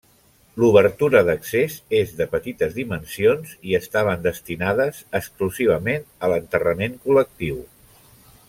L'obertura d'accés és de petites dimensions, i estaven destinades exclusivament a l'enterrament col·lectiu.